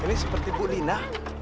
ini seperti bu lina